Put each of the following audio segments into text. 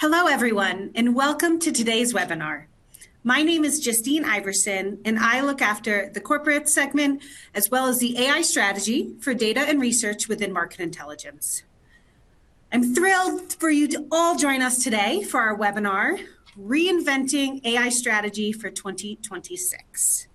Hello everyone, and welcome to today's webinar. My name is Justine Iverson, and I look after the corporate segment as well as the AI strategy for data and research within Market Intelligence. I'm thrilled for you to all join us today for our webinar, Reinventing AI Strategy for 2026.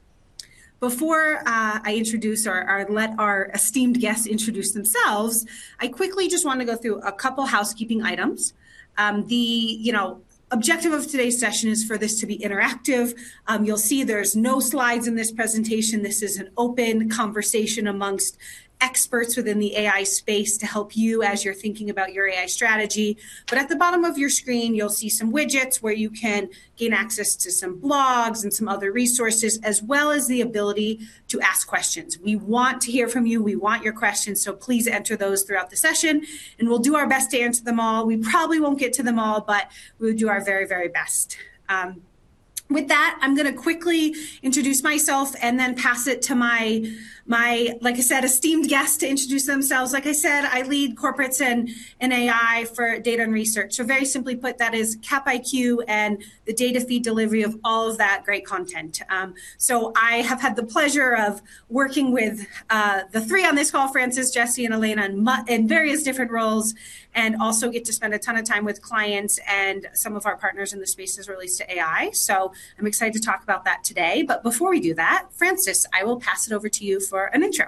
Before I introduce or let our esteemed guests introduce themselves, I quickly just wanna go through a couple housekeeping items. The you know, objective of today's session is for this to be interactive. You'll see there's no slides in this presentation. This is an open conversation amongst experts within the AI space to help you as you're thinking about your AI strategy. At the bottom of your screen, you'll see some widgets where you can gain access to some blogs and some other resources, as well as the ability to ask questions. We want to hear from you. We want your questions, so please enter those throughout the session, and we'll do our best to answer them all. We probably won't get to them all, but we'll do our very, very best. With that, I'm gonna quickly introduce myself and then pass it to my, like I said, esteemed guests to introduce themselves. Like I said, I lead Corporates & AI for data and research. So very simply put, that is CapIQ and the data feed delivery of all of that great content. I have had the pleasure of working with the three on this call, Francis, Jesse, and Alaina, in various different roles, and also get to spend a ton of time with clients and some of our partners in the space as it relates to AI. I'm excited to talk about that today. Before we do that, Francis, I will pass it over to you for an intro.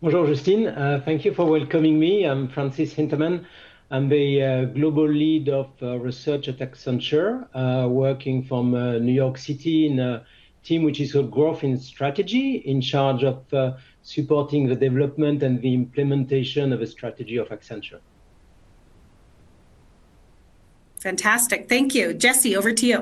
Bonjour, Justine. Thank you for welcoming me. I'm Francis Hintermann. I'm the global lead of research at Accenture, working from New York City in a team which is called Growth and Strategy, in charge of supporting the development and the implementation of a strategy of Accenture. Fantastic. Thank you. Jesse, over to you.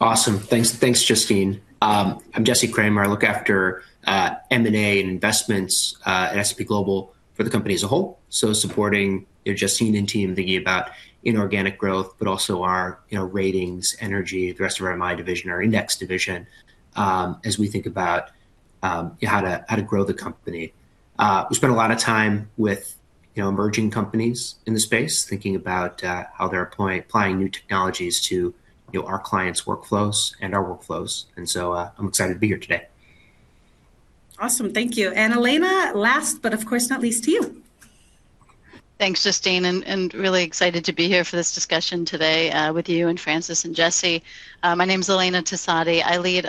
Awesome. Thanks, Justine. I'm Jesse Kramer. I look after M&A and investments at S&P Global for the company as a whole. Supporting, you know, Justine and team thinking about inorganic growth, but also our, you know, ratings, energy, the rest of our MI division, our index division, as we think about how to grow the company. We spend a lot of time with, you know, emerging companies in the space, thinking about how they're applying new technologies to, you know, our clients' workflows and our workflows. I'm excited to be here today. Awesome. Thank you. Alaina, last but of course not least to you. Thanks, Justine, and really excited to be here for this discussion today, with you and Francis and Jesse. My name's Alaina Tosatti. I lead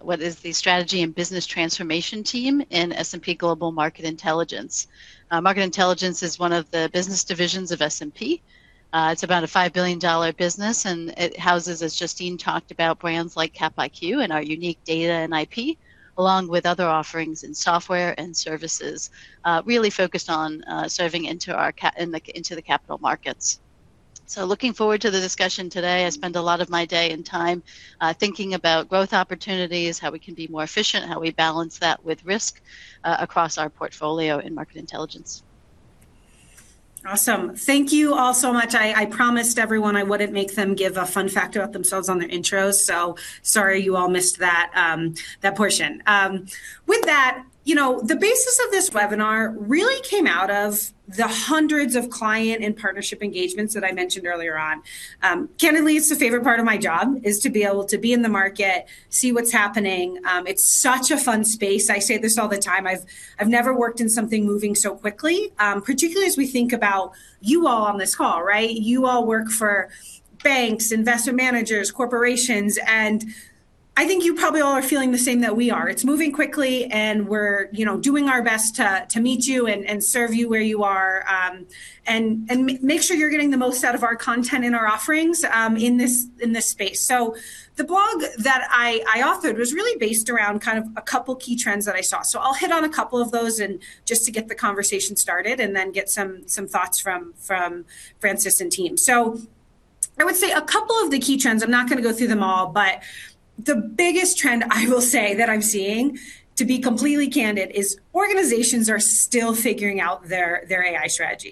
what is the Strategy and Business Transformation team in S&P Global Market Intelligence. Market Intelligence is one of the business divisions of S&P. It's about a $5 billion business, and it houses, as Justine talked about, brands like CapIQ and our unique data and IP, along with other offerings in software and services, really focused on serving into the capital markets. Looking forward to the discussion today. I spend a lot of my day and time thinking about growth opportunities, how we can be more efficient, how we balance that with risk, across our portfolio in Market Intelligence. Awesome. Thank you all so much. I promised everyone I wouldn't make them give a fun fact about themselves on their intro, so sorry you all missed that portion. With that, you know, the basis of this webinar really came out of the hundreds of client and partnership engagements that I mentioned earlier on. Candidly, it's the favorite part of my job is to be able to be in the market, see what's happening. It's such a fun space. I say this all the time. I've never worked in something moving so quickly, particularly as we think about you all on this call, right? You all work for banks, investment managers, corporations, and I think you probably all are feeling the same that we are. It's moving quickly, and we're, you know, doing our best to meet you and serve you where you are, and make sure you're getting the most out of our content and our offerings, in this space. The blog that I authored was really based around kind of a couple key trends that I saw. I'll hit on a couple of those and just to get the conversation started and then get some thoughts from Francis and team. I would say a couple of the key trends. I'm not gonna go through them all, but the biggest trend I will say that I'm seeing, to be completely candid, is organizations are still figuring out their AI strategy.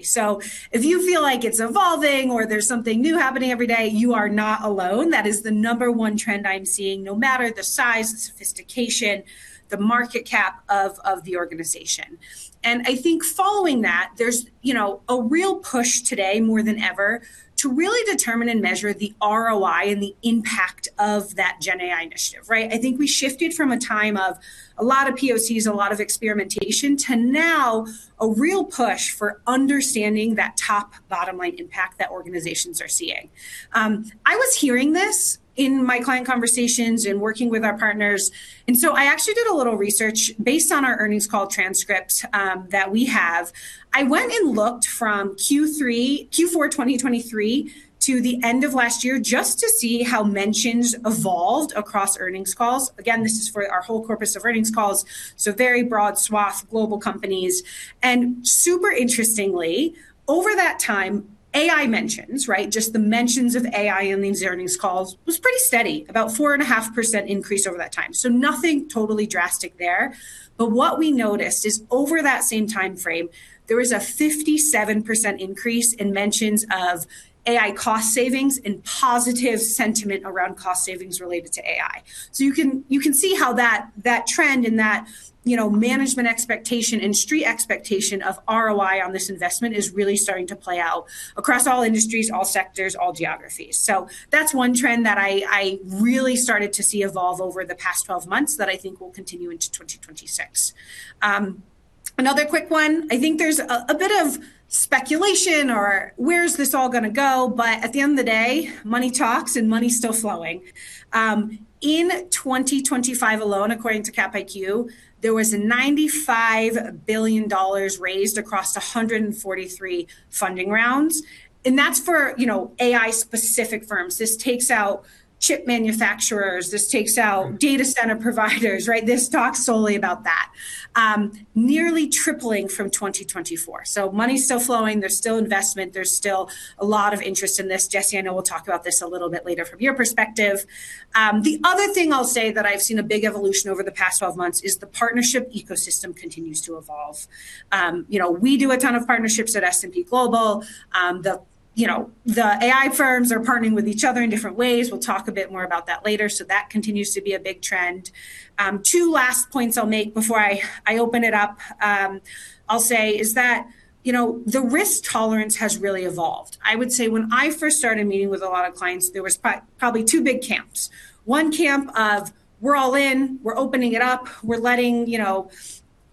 If you feel like it's evolving or there's something new happening every day, you are not alone. That is the number one trend I'm seeing, no matter the size, the sophistication, the market cap of the organization. I think following that, there's, you know, a real push today more than ever to really determine and measure the ROI and the impact of that GenAI initiative, right? I think we shifted from a time of a lot of POCs, a lot of experimentation, to now a real push for understanding that top bottom line impact that organizations are seeing. I was hearing this in my client conversations and working with our partners. I actually did a little research based on our earnings call transcript, that we have. I went and looked from Q3-Q4 2023 to the end of last year just to see how mentions evolved across earnings calls. This is for our whole corpus of earnings calls, so very broad swath of global companies. Super interestingly, over that time, AI mentions, right, just the mentions of AI in these earnings calls, was pretty steady, about 4.5% increase over that time. Nothing totally drastic there. What we noticed is over that same timeframe, there was a 57% increase in mentions of AI cost savings and positive sentiment around cost savings related to AI. You can see how that trend and that, you know, management expectation and street expectation of ROI on this investment is really starting to play out across all industries, all sectors, all geographies. That's one trend that I really started to see evolve over the past 12 months that I think will continue into 2026. Another quick one. I think there's a bit of speculation or where's this all gonna go, but at the end of the day, money talks, and money's still flowing. In 2025 alone, according to Capital IQ, there was $95 billion raised across 143 funding rounds. That's for, you know, AI-specific firms. This takes out chip manufacturers. This takes out data center providers, right? This talks solely about that. Nearly tripling from 2024. Money's still flowing. There's still investment. There's still a lot of interest in this. Jesse, I know we'll talk about this a little bit later from your perspective. The other thing I'll say that I've seen a big evolution over the past 12 months is the partnership ecosystem continues to evolve. You know, we do a ton of partnerships at S&P Global. You know, the AI firms are partnering with each other in different ways. We'll talk a bit more about that later. That continues to be a big trend. Two last points I'll make before I open it up. I'll say is that, you know, the risk tolerance has really evolved. I would say when I first started meeting with a lot of clients, there was probably two big camps. One camp of, we're all in, we're opening it up, we're letting, you know,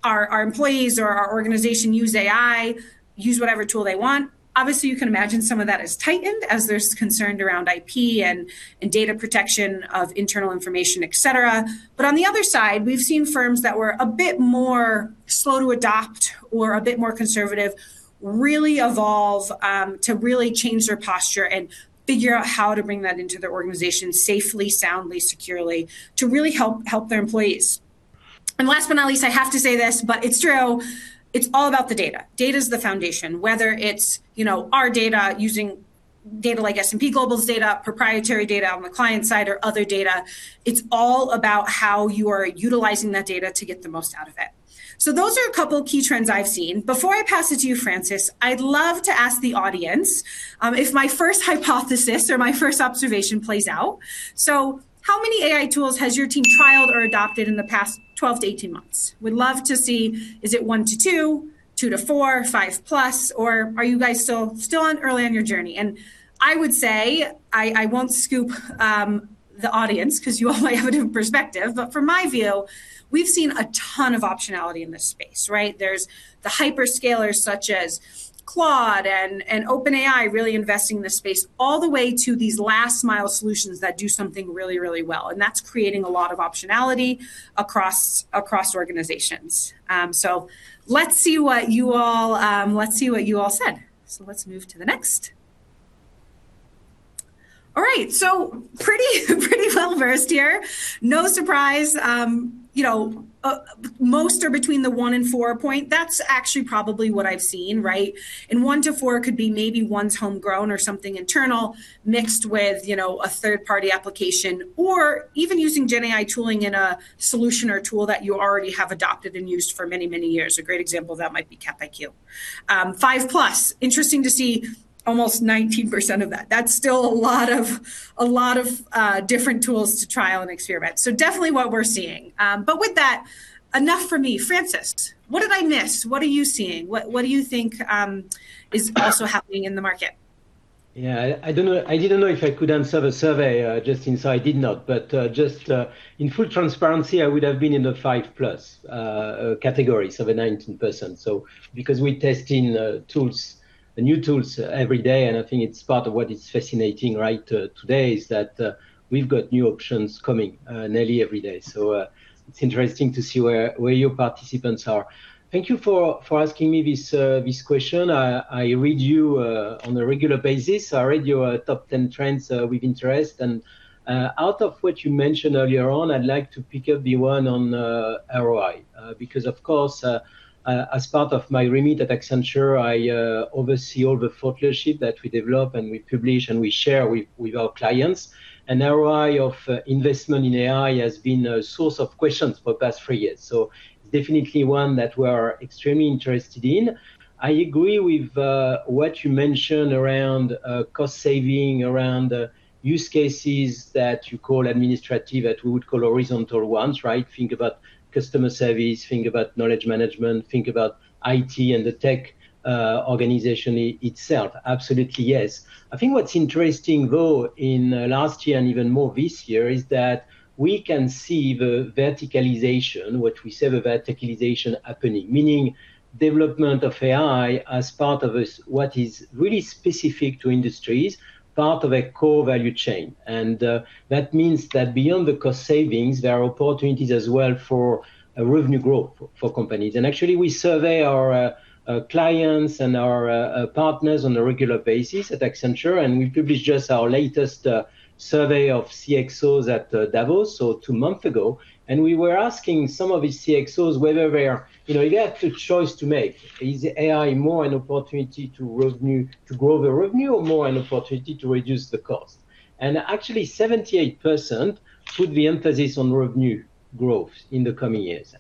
our employees or our organization use AI, use whatever tool they want. Obviously, you can imagine some of that has tightened as there's concern around IP and data protection of internal information, et cetera. On the other side, we've seen firms that were a bit more slow to adopt or a bit more conservative really evolve to really change their posture and figure out how to bring that into their organization safely, soundly, securely to really help their employees. Last but not least, I have to say this, but it's true. It's all about the data. Data's the foundation. Whether it's, you know, our data using data like S&P Global's data, proprietary data on the client side or other data, it's all about how you are utilizing that data to get the most out of it. Those are a couple key trends I've seen. Before I pass it to you, Francis, I'd love to ask the audience if my first hypothesis or my first observation plays out. How many AI tools has your team trialed or adopted in the past 12-18 months? We'd love to see, is it 1-2, 2-4, 5+, or are you guys still early on your journey? I won't scoop the audience 'cause you all might have a different perspective. From my view, we've seen a ton of optionality in this space, right? There's the hyperscalers such as Claude and OpenAI really investing in this space all the way to these last mile solutions that do something really well, and that's creating a lot of optionality across organizations. Let's see what you all said. Let's move to the next. All right. Pretty well-versed here. No surprise. You know, most are between one and four point. That's actually probably what I've seen, right? 1-4 could be maybe one's homegrown or something internal mixed with, you know, a third-party application or even using GenAI tooling in a solution or tool that you already have adopted and used for many, many years. A great example of that might be CapIQ. 5+. Interesting to see almost 19% of that. That's still a lot of different tools to trial and experiment. Definitely what we're seeing. With that, enough from me. Francis, what did I miss? What are you seeing? What do you think is also happening in the market? Yeah. I didn't know if I could answer the survey, Justine, so I did not. Just in full transparency, I would have been in the 5+ category, so the 19%. Because we're testing new tools every day, and I think it's part of what is fascinating, right, today, is that we've got new options coming nearly every day. It's interesting to see where your participants are. Thank you for asking me this question. I read you on a regular basis. I read your top 10 trends with interest. Out of what you mentioned earlier on, I'd like to pick up the one on ROI. Because of course, as part of my remit at Accenture, I oversee all the thought leadership that we develop and we publish and we share with our clients. ROI of investment in AI has been a source of questions for the past three years. It's definitely one that we're extremely interested in. I agree with what you mentioned around cost saving, around use cases that you call administrative, that we would call horizontal ones, right? Think about customer service, think about knowledge management, think about IT and the tech organization itself. Absolutely, yes. I think what's interesting, though, in last year and even more this year, is that we can see the verticalization, what we say the verticalization happening, meaning development of AI as part of a what is really specific to industries, part of a core value chain. That means that beyond the cost savings, there are opportunities as well for a revenue growth for companies. Actually, we survey our clients and our partners on a regular basis at Accenture, and we published just our latest survey of CXOs at Davos, so two months ago. We were asking some of these CXOs whether you know, you have two choices to make. Is AI more an opportunity to revenue, to grow the revenue or more an opportunity to reduce the cost? Actually, 78% put the emphasis on revenue growth in the coming years.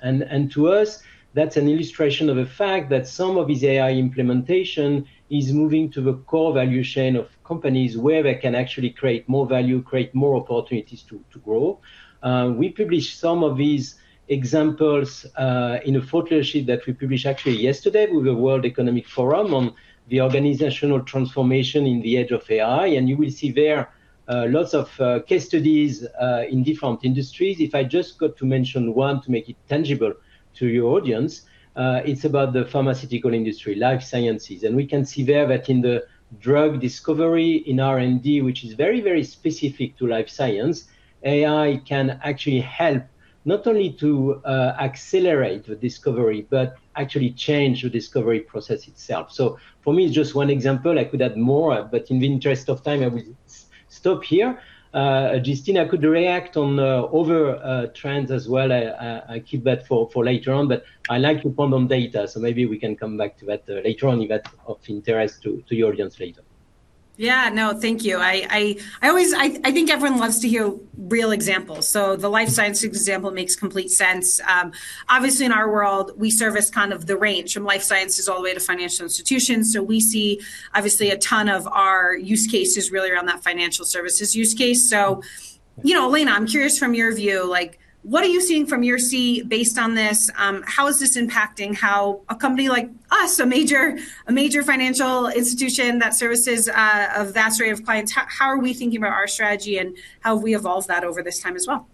To us, that's an illustration of the fact that some of this AI implementation is moving to the core value chain of companies where they can actually create more value, create more opportunities to grow. We published some of these examples in a thought leadership that we published actually yesterday with the World Economic Forum on the organizational transformation in the age of AI. You will see there lots of case studies in different industries. If I just got to mention one to make it tangible to your audience, it's about the pharmaceutical industry, life sciences. We can see there that in the drug discovery in R&D, which is very specific to life science, AI can actually help not only to accelerate the discovery, but actually change the discovery process itself. For me, it's just one example. I could add more, but in the interest of time, I will stop here. Justine, I could react on the other trends as well. I keep that for later on, but I like to ponder on data, so maybe we can come back to that later on if that's of interest to your audience later. Yeah, no, thank you. I think everyone loves to hear real examples, so the life sciences example makes complete sense. Obviously in our world, we service kind of the range from life sciences all the way to financial institutions. We see obviously a ton of our use cases really around that financial services use case. You know, Alaina, I'm curious from your view, like what are you seeing from your seat based on this? How is this impacting how a company like us, a major financial institution that services a vast array of clients, how are we thinking about our strategy and how have we evolved that over this time as well?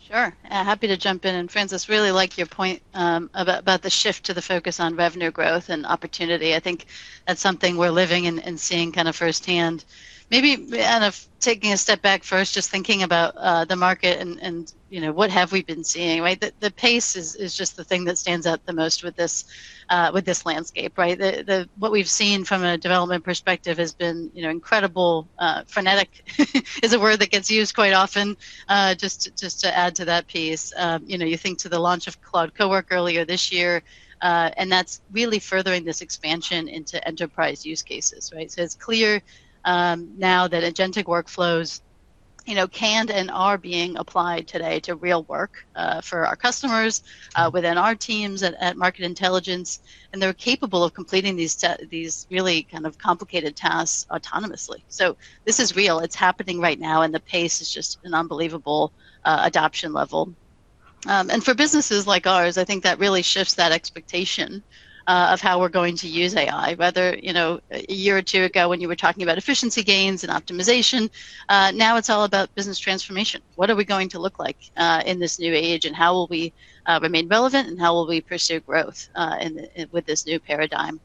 Sure. Happy to jump in. Francis, really like your point about the shift to the focus on revenue growth and opportunity. I think that's something we're living and seeing kind of firsthand. Maybe, Justine Iverson, taking a step back first, just thinking about the market and, you know, what have we been seeing, right? The pace is just the thing that stands out the most with this landscape, right? What we've seen from a development perspective has been, you know, incredible, frenetic is a word that gets used quite often. Just to add to that piece. You know, you think to the launch of Claude Cowork earlier this year, and that's really furthering this expansion into enterprise use cases, right? It's clear now that agentic workflows, you know, can and are being applied today to real work for our customers within our teams at Market Intelligence, and they're capable of completing these really kind of complicated tasks autonomously. This is real. It's happening right now, and the pace is just an unbelievable adoption level. For businesses like ours, I think that really shifts that expectation of how we're going to use AI. Well, you know, a year or two ago when you were talking about efficiency gains and optimization, now it's all about business transformation. What are we going to look like in this new age, and how will we remain relevant, and how will we pursue growth with this new paradigm?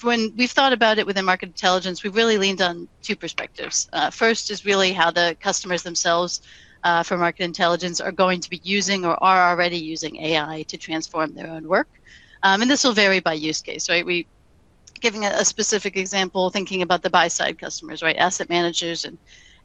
When we've thought about it within Market Intelligence, we've really leaned on two perspectives. First is really how the customers themselves for Market Intelligence are going to be using or are already using AI to transform their own work. This will vary by use case. Right? Giving a specific example, thinking about the buy side customers, right? Asset managers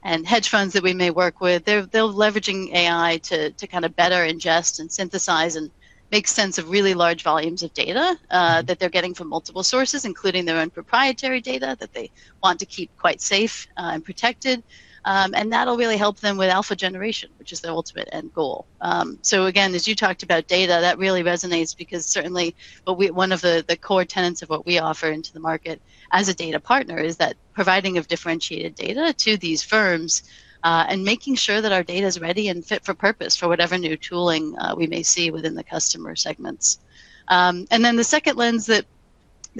and hedge funds that we may work with. They're leveraging AI to kind of better ingest and synthesize and make sense of really large volumes of data that they're getting from multiple sources, including their own proprietary data that they want to keep quite safe and protected. That'll really help them with alpha generation, which is their ultimate end goal. Again, as you talked about data, that really resonates because certainly what we... One of the core tenets of what we offer into the market as a data partner is that providing of differentiated data to these firms, and making sure that our data is ready and fit for purpose for whatever new tooling we may see within the customer segments. Then the second lens that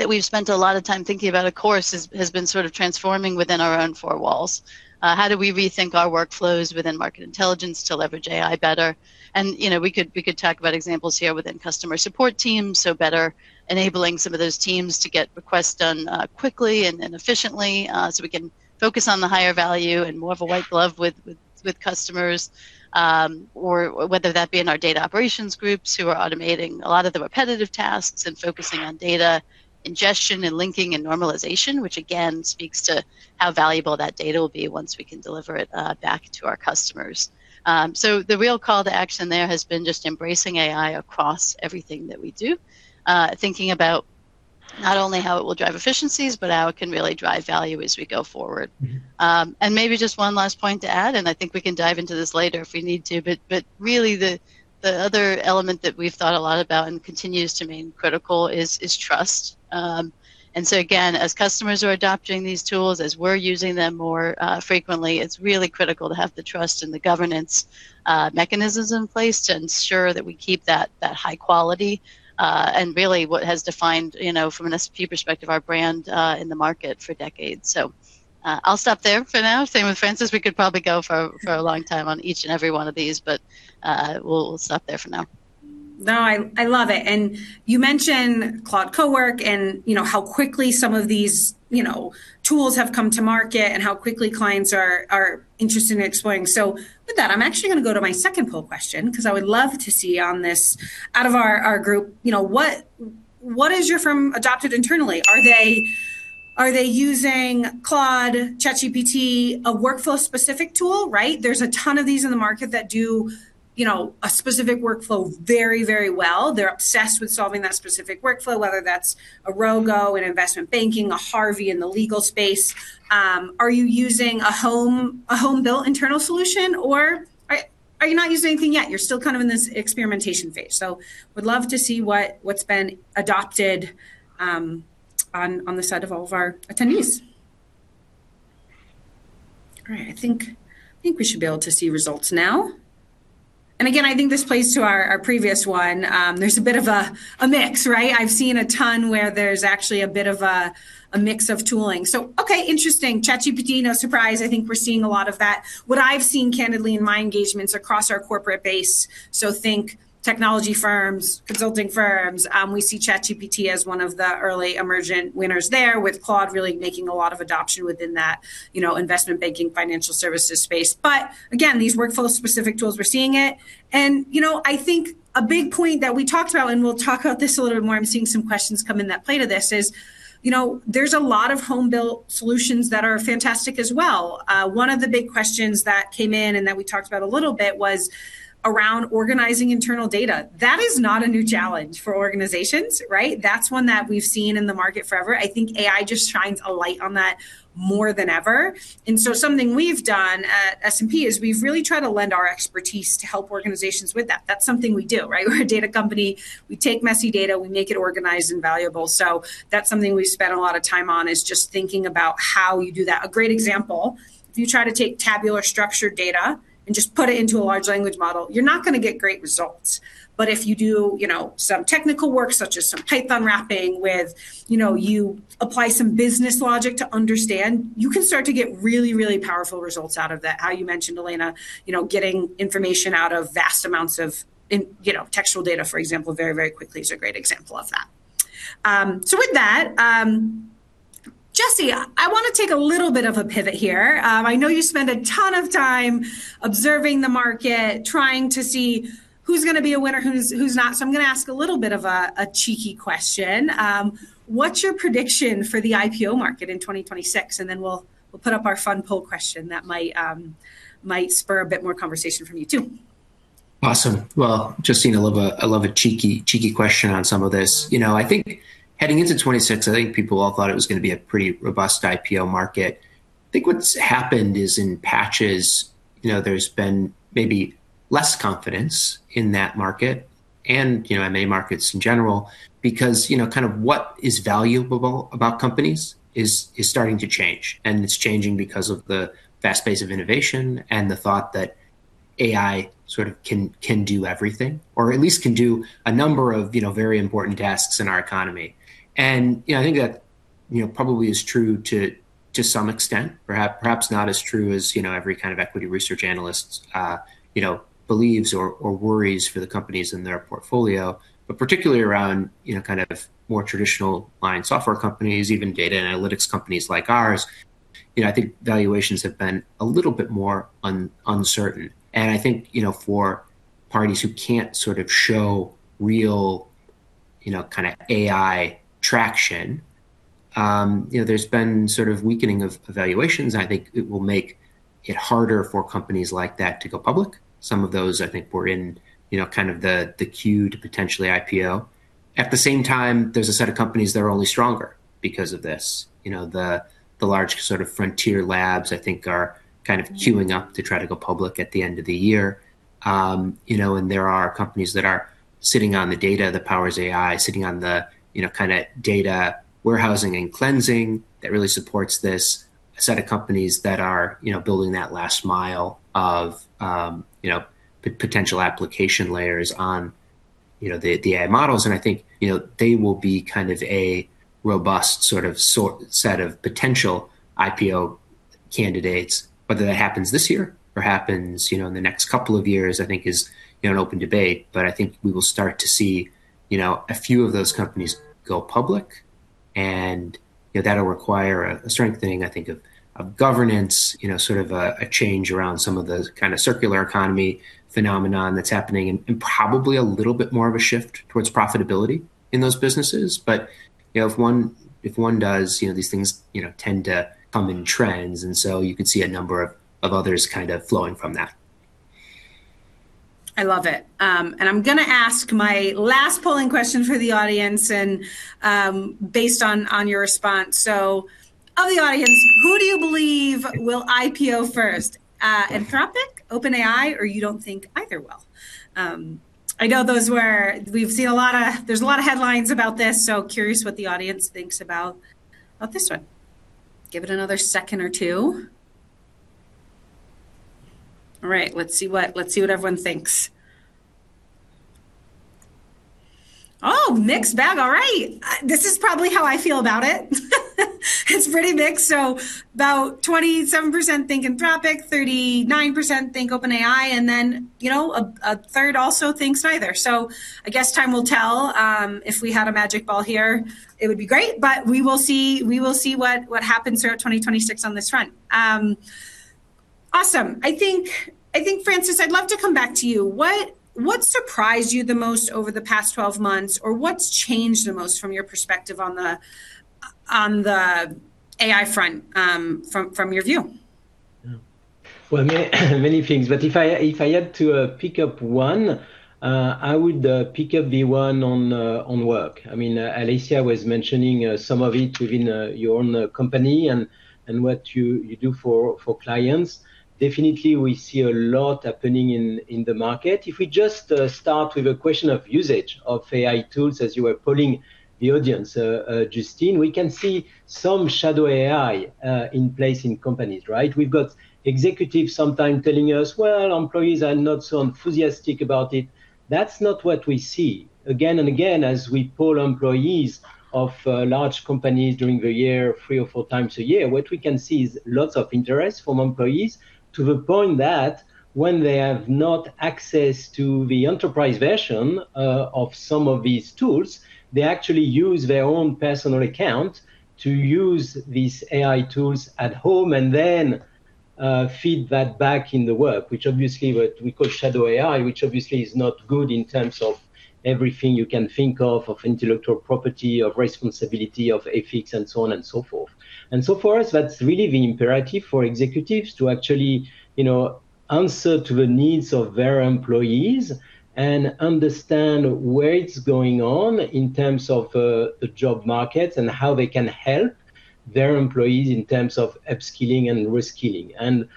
we've spent a lot of time thinking about, of course, has been sort of transforming within our own four walls. How do we rethink our workflows within Market Intelligence to leverage AI better? You know, we could talk about examples here within customer support teams, so better enabling some of those teams to get requests done quickly and efficiently, so we can focus on the higher value and more of a white glove with customers. Whether that be in our data operations groups who are automating a lot of the repetitive tasks and focusing on data ingestion and linking and normalization, which again speaks to how valuable that data will be once we can deliver it back to our customers. The real call to action there has been just embracing AI across everything that we do. Thinking about not only how it will drive efficiencies, but how it can really drive value as we go forward. Maybe just one last point to add, and I think we can dive into this later if we need to, but really the other element that we've thought a lot about and continues to remain critical is trust. Again, as customers are adopting these tools, as we're using them more frequently, it's really critical to have the trust and the governance mechanisms in place to ensure that we keep that high quality and really what has defined, you know, from an S&P perspective, our brand in the market for decades. I'll stop there for now. Same with Francis, we could probably go for a long time on each and every one of these, but we'll stop there for now. No, I love it. You mentioned Claude Cowork and, you know, how quickly some of these, you know, tools have come to market and how quickly clients are interested in exploring. With that, I'm actually gonna go to my second poll question because I would love to see out of our group, you know, what has your firm adopted internally. Are they using Claude, ChatGPT, a workflow-specific tool, right? There's a ton of these in the market that do, you know, a specific workflow very, very well. They're obsessed with solving that specific workflow, whether that's a Rogo in investment banking, a Harvey in the legal space. Are you using a home-built internal solution, or are you not using anything yet? You're still kind of in this experimentation phase. Would love to see what's been adopted on the side of all of our attendees. All right. I think we should be able to see results now. Again, I think this plays to our previous one. There's a bit of a mix, right? I've seen a ton where there's actually a bit of a mix of tooling. Okay, interesting. ChatGPT, no surprise. I think we're seeing a lot of that. What I've seen candidly in my engagements across our corporate base, so think technology firms, consulting firms, we see ChatGPT as one of the early emergent winners there, with Claude really making a lot of adoption within that, you know, investment banking, financial services space. Again, these workflow-specific tools, we're seeing it. You know, I think a big point that we talked about, and we'll talk about this a little more, I'm seeing some questions come in that play to this, is, you know, there's a lot of home-built solutions that are fantastic as well. One of the big questions that came in and that we talked about a little bit was around organizing internal data. That is not a new challenge for organizations, right? That's one that we've seen in the market forever. I think AI just shines a light on that more than ever. Something we've done at S&P is we've really tried to lend our expertise to help organizations with that. That's something we do, right? We're a data company. We take messy data. We make it organized and valuable. That's something we've spent a lot of time on is just thinking about how you do that. A great example, if you try to take tabular structured data and just put it into a large language model, you're not gonna get great results. But if you do, you know, some technical work such as some Python wrapping. You know, you apply some business logic to understand, you can start to get really, really powerful results out of that. As you mentioned, Alaina, you know, getting information out of vast amounts of textual data, for example, very, very quickly is a great example of that. With that, Jesse, I wanna take a little bit of a pivot here. I know you spend a ton of time observing the market, trying to see who's gonna be a winner, who's not. I'm gonna ask a little bit of a cheeky question. What's your prediction for the IPO market in 2026? Then we'll put up our fun poll question that might spur a bit more conversation from you too. Awesome. Well, Justine, I love a cheeky question on some of this. You know, I think heading into 2026, I think people all thought it was gonna be a pretty robust IPO market. I think what's happened is in patches, you know, there's been maybe less confidence in that market and, you know, in many markets in general because, you know, kind of what is valuable about companies is starting to change. It's changing because of the fast pace of innovation and the thought that AI sort of can do everything or at least can do a number of, you know, very important tasks in our economy. You know, I think that, you know, probably is true to some extent, perhaps not as true as, you know, every kind of equity research analyst, you know, believes or worries for the companies in their portfolio. Particularly around, you know, kind of more traditional line software companies, even data analytics companies like ours, you know, I think valuations have been a little bit more uncertain. I think, you know, for parties who can't sort of show real, you know, kinda AI traction, you know, there's been sort of weakening of valuations, and I think it will make it harder for companies like that to go public. Some of those I think were in, you know, kind of the queue to potentially IPO. At the same time, there's a set of companies that are only stronger because of this. You know, the large sort of frontier labs I think are kind of queuing up to try to go public at the end of the year. You know, there are companies that are sitting on the data that powers AI, sitting on the, you know, kinda data warehousing and cleansing that really supports this set of companies that are, you know, building that last mile of, you know, potential application layers on, you know, the AI models. I think, you know, they will be kind of a robust sort of set of potential IPO candidates, whether that happens this year or happens, you know, in the next couple of years, I think is, you know, an open debate. I think we will start to see, you know, a few of those companies go public, and, you know, that'll require a strengthening, I think, of governance, you know, sort of a change around some of the kind of circular economy phenomenon that's happening and probably a little bit more of a shift towards profitability in those businesses. You know, if one does, you know, these things, you know, tend to come in trends, and so you could see a number of others kind of flowing from that. I love it. I'm gonna ask my last polling question for the audience and, based on your response. Of the audience, who do you believe will IPO first? Anthropic, OpenAI, or you don't think either will? I know those were. We've seen a lot of, there's a lot of headlines about this, so curious what the audience thinks about this one. Give it another second or two. All right, let's see what everyone thinks. Oh, mixed bag. All right. This is probably how I feel about it. It's pretty mixed. About 27% think Anthropic, 39% think OpenAI, and then, you know, a third also thinks neither. I guess time will tell. If we had a magic ball here, it would be great. We will see what happens throughout 2026 on this front. Awesome. I think, Francis, I'd love to come back to you. What surprised you the most over the past 12 months, or what's changed the most from your perspective on the AI front, from your view? Yeah. Well, many things, but if I had to pick one, I would pick the one on work. I mean, Alaina was mentioning some of it within your own company and what you do for clients. Definitely we see a lot happening in the market. If we just start with a question of usage of AI tools as you were polling the audience, Justine, we can see some Shadow AI in place in companies, right? We've got executives sometimes telling us, "Well, employees are not so enthusiastic about it." That's not what we see. Again and again, as we poll employees of large companies during the year, three or four times a year, what we can see is lots of interest from employees to the point that when they have not access to the enterprise version of some of these tools, they actually use their own personal account to use these AI tools at home and then feed that back in the work, which obviously what we call Shadow AI, which obviously is not good in terms of everything you can think of intellectual property, of responsibility, of ethics, and so on and so forth. For us, that's really the imperative for executives to actually, you know, answer to the needs of their employees and understand where it's going on in terms of the job market and how they can help their employees in terms of upskilling and reskilling.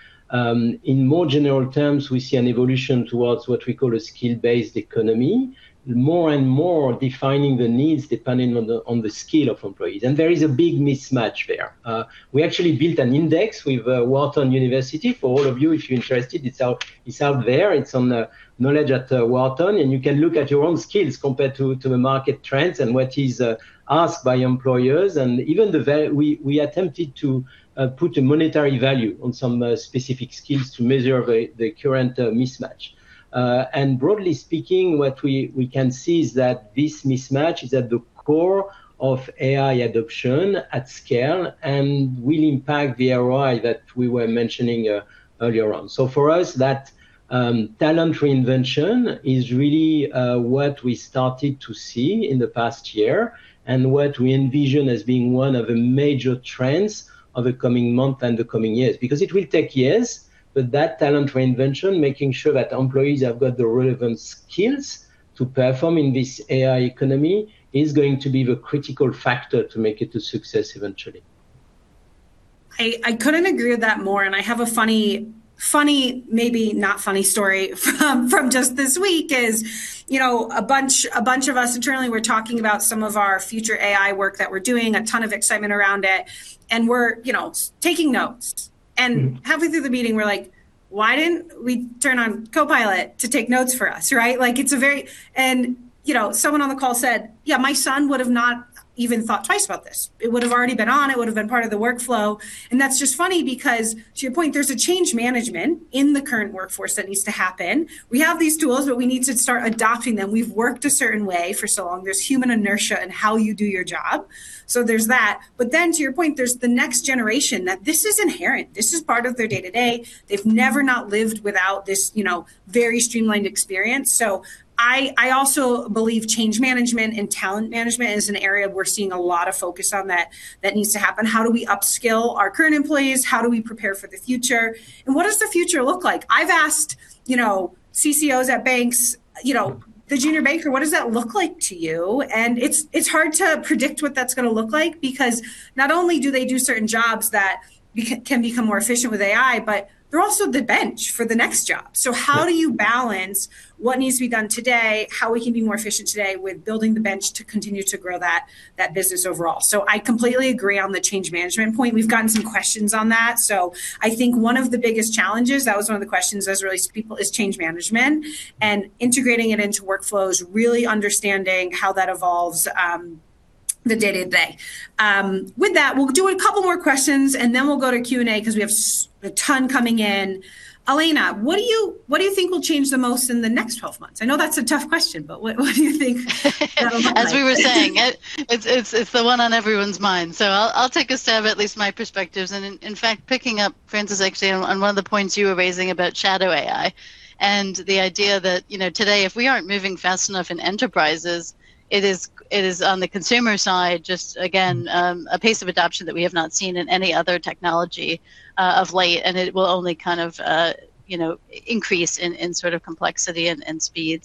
In more general terms, we see an evolution towards what we call a skill-based economy, more and more defining the needs depending on the skill of employees. There is a big mismatch there. We actually built an index with Wharton. For all of you, if you're interested, it's out there. It's on the Knowledge at Wharton, and you can look at your own skills compared to the market trends and what is asked by employers. Even we attempted to put a monetary value on some specific skills to measure the current mismatch. Broadly speaking, what we can see is that this mismatch is at the core of AI adoption at scale and will impact the ROI that we were mentioning earlier on. For us, that talent reinvention is really what we started to see in the past year and what we envision as being one of the major trends of the coming month and the coming years, because it will take years, but that talent reinvention, making sure that employees have got the relevant skills to perform in this AI economy, is going to be the critical factor to make it a success eventually. I couldn't agree with that more, and I have a funny, maybe not funny story from just this week, you know, a bunch of us internally were talking about some of our future AI work that we're doing, a ton of excitement around it, and we're, you know, taking notes. Halfway through the meeting we're like, "Why didn't we turn on Copilot to take notes for us," right? Like it's. You know, someone on the call said, "Yeah, my son would have not even thought twice about this. It would have already been on. It would have been part of the workflow." That's just funny because to your point, there's a change management in the current workforce that needs to happen. We have these tools, but we need to start adopting them. We've worked a certain way for so long. There's human inertia in how you do your job. There's that. Then to your point, there's the next generation, that this is inherent. This is part of their day-to-day. They've never not lived without this, you know, very streamlined experience. I also believe change management and talent management is an area we're seeing a lot of focus on that needs to happen. How do we upskill our current employees? How do we prepare for the future? What does the future look like? I've asked, you know, CCOs at banks, you know, the junior banker, what does that look like to you? It's hard to predict what that's gonna look like because not only do they do certain jobs that can become more efficient with AI, but they're also the bench for the next job. How do you balance what needs to be done today, how we can be more efficient today with building the bench to continue to grow that business overall? I completely agree on the change management point. We've gotten some questions on that. I think one of the biggest challenges, that was one of the questions I relayed to people, is change management and integrating it into workflows, really understanding how that evolves, the day-to-day. With that, we'll do a couple more questions, and then we'll go to Q&A because we have a ton coming in. Alaina, what do you think will change the most in the next 12 months? I know that's a tough question, but what do you think that'll look like? As we were saying, it's the one on everyone's mind. I'll take a stab at least my perspectives. In fact, picking up, Francis, actually on one of the points you were raising about Shadow AI and the idea that, you know, today, if we aren't moving fast enough in enterprises, it is on the consumer side, just again, a pace of adoption that we have not seen in any other technology, of late, and it will only kind of, you know, increase in sort of complexity and speed.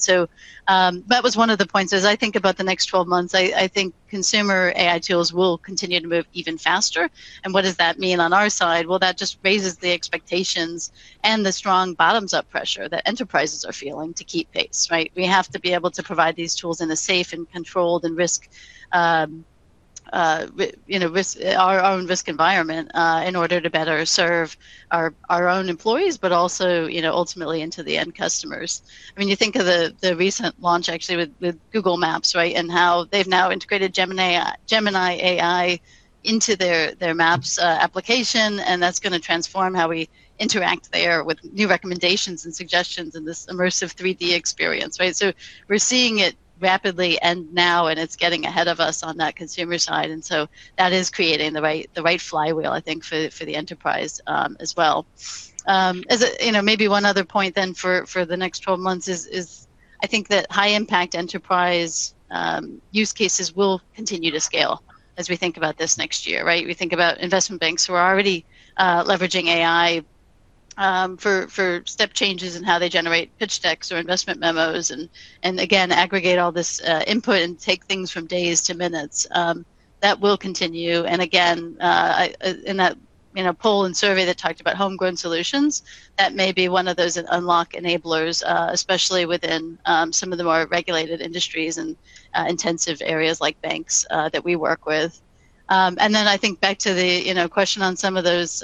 That was one of the points as I think about the next 12 months. I think consumer AI tools will continue to move even faster. What does that mean on our side? Well, that just raises the expectations and the strong bottoms-up pressure that enterprises are feeling to keep pace, right? We have to be able to provide these tools in a safe and controlled and risk, you know, our own risk environment, in order to better serve our own employees, but also, you know, ultimately into the end customers. I mean, you think of the recent launch actually with Google Maps, right? How they've now integrated Gemini AI into their Maps application, and that's gonna transform how we interact there with new recommendations and suggestions in this immersive 360 experience, right? We're seeing it rapidly, and it's getting ahead of us on that consumer side. That is creating the right flywheel, I think, for the enterprise, as well. As a you know maybe one other point then for the next 12 months is I think that high-impact enterprise use cases will continue to scale as we think about this next year, right? We think about investment banks who are already leveraging AI for step changes in how they generate pitch decks or investment memos and again aggregate all this input and take things from days to minutes. That will continue. Again in a poll and survey that talked about homegrown solutions, that may be one of those unlock enablers especially within some of the more regulated industries and intensive areas like banks that we work with. I think back to the, you know, question on some of those,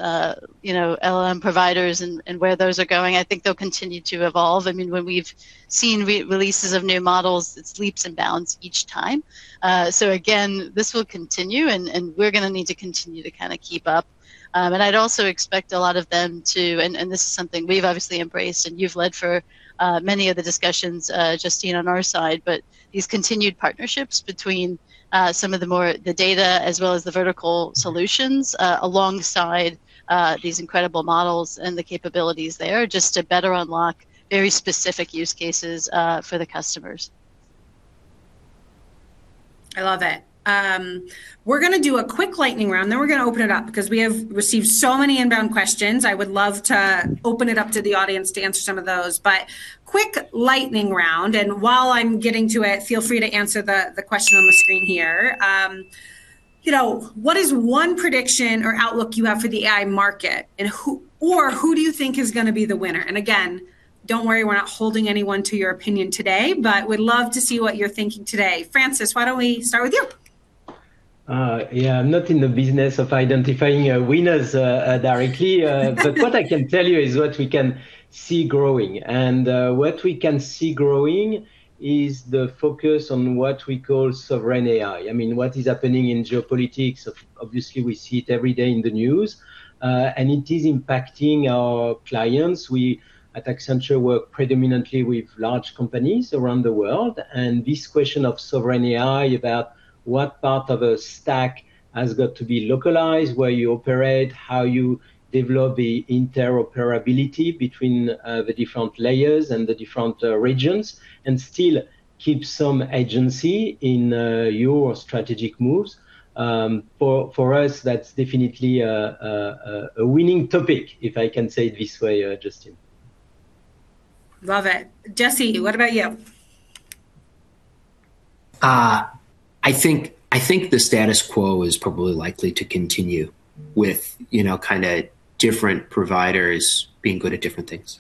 you know, LLM providers and where those are going. I think they'll continue to evolve. I mean, when we've seen releases of new models, it's leaps and bounds each time. Again, this will continue, and we're gonna need to continue to kind of keep up. This is something we've obviously embraced and you've led for many of the discussions, Justine, on our side. These continued partnerships between some of the more the data as well as the vertical solutions, alongside these incredible models and the capabilities there just to better unlock very specific use cases for the customers. I love it. We're gonna do a quick lightning round, then we're gonna open it up because we have received so many inbound questions. I would love to open it up to the audience to answer some of those. Quick lightning round, and while I'm getting to it, feel free to answer the question on the screen here. You know, what is one prediction or outlook you have for the AI market and who do you think is gonna be the winner? Again, don't worry, we're not holding anyone to your opinion today, but we'd love to see what you're thinking today. Francis, why don't we start with you? Yeah, I'm not in the business of identifying winners directly. What I can tell you is what we can see growing. What we can see growing is the focus on what we call sovereign AI. I mean, what is happening in geopolitics, obviously we see it every day in the news, and it is impacting our clients. We at Accenture work predominantly with large companies around the world, and this question of sovereign AI about what part of a stack has got to be localized, where you operate, how you develop the interoperability between the different layers and the different regions, and still keep some agency in your strategic moves. For us, that's definitely a winning topic, if I can say it this way, Justine. Love it. Jesse, what about you? I think the status quo is probably likely to continue with, you know, kinda different providers being good at different things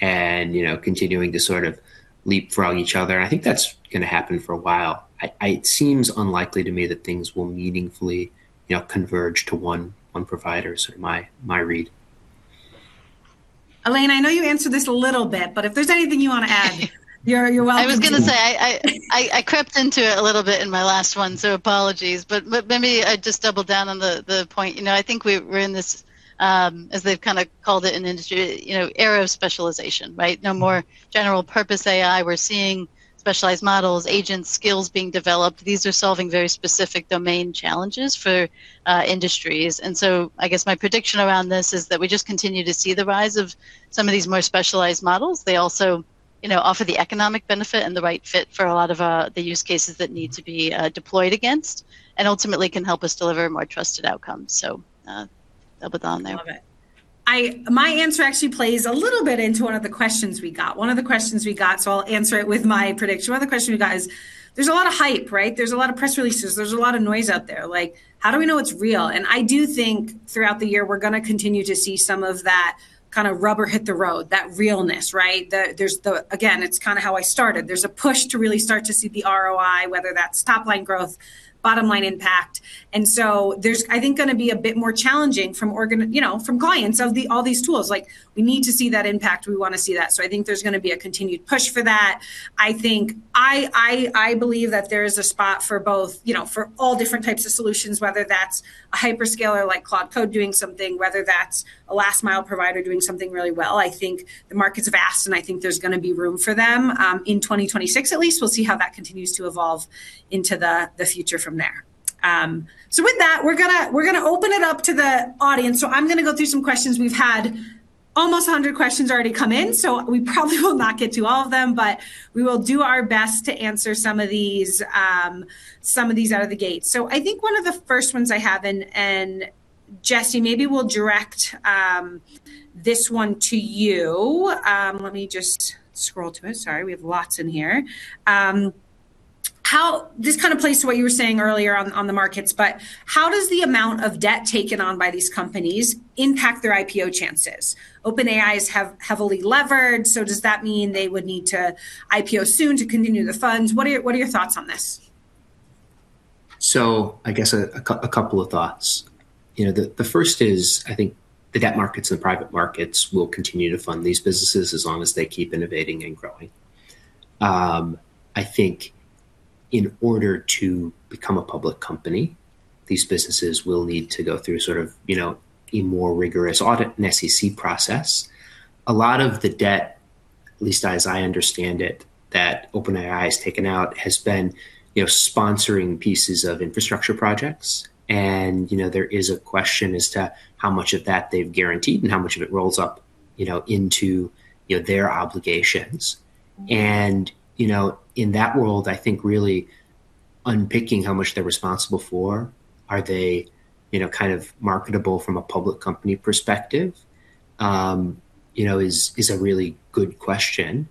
and, you know, continuing to sort of leapfrog each other. I think that's gonna happen for a while. It seems unlikely to me that things will meaningfully, you know, converge to one provider. That's my read. Alaina, I know you answered this a little bit, but if there's anything you wanna add, you're welcome to. I was gonna say I crept into it a little bit in my last one, so apologies, maybe I just double down on the point. You know, I think we're in this, as they've kinda called it in industry, you know, era of specialization, right? No more general purpose AI. We're seeing specialized models, agents, skills being developed. These are solving very specific domain challenges for industries. I guess my prediction around this is that we just continue to see the rise of some of these more specialized models. They also, you know, offer the economic benefit and the right fit for a lot of the use cases that need to be deployed against, and ultimately can help us deliver more trusted outcomes. I'll put that on there. Love it. My answer actually plays a little bit into one of the questions we got. One of the questions we got, so I'll answer it with my prediction. One of the question we got is, there's a lot of hype, right? There's a lot of press releases. There's a lot of noise out there. Like, how do we know it's real? I do think throughout the year, we're gonna continue to see some of that kinda rubber hit the road, that realness, right? Again, it's kinda how I started. There's a push to really start to see the ROI, whether that's top line growth, bottom line impact. There's, I think, gonna be a bit more challenging from clients of all these tools. Like, we need to see that impact. We wanna see that. I think there's gonna be a continued push for that. I believe that there is a spot for both, you know, for all different types of solutions, whether that's a hyperscaler like Claude Code doing something, whether that's a last mile provider doing something really well. I think the market's vast, and I think there's gonna be room for them in 2026 at least. We'll see how that continues to evolve into the future from there. With that, we're gonna open it up to the audience. I'm gonna go through some questions. We've had almost 100 questions already come in, so we probably will not get to all of them, but we will do our best to answer some of these out of the gate. I think one of the first ones I have, and Jesse, maybe we'll direct this one to you. Let me just scroll to it. Sorry. We have lots in here. This kinda plays to what you were saying earlier on the markets, but how does the amount of debt taken on by these companies impact their IPO chances? OpenAI is heavily levered, so does that mean they would need to IPO soon to continue the funds? What are your thoughts on this? I guess a couple of thoughts. You know, the first is, I think the debt markets and private markets will continue to fund these businesses as long as they keep innovating and growing. I think in order to become a public company, these businesses will need to go through sort of, you know, a more rigorous audit and SEC process. A lot of the debt, at least as I understand it, that OpenAI has taken out has been, you know, sponsoring pieces of infrastructure projects. You know, there is a question as to how much of that they've guaranteed and how much of it rolls up, you know, into, you know, their obligations. You know, in that world, I think really unpicking how much they're responsible for, are they, you know, kind of marketable from a public company perspective, you know, is a really good question.